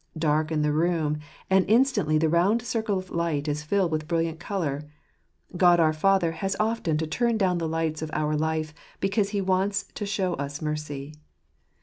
Darken the room, and instantly the round circle of light is filled with brilliant colour. God our Father has often to turn down the lights of our life because He wants to show us mercy.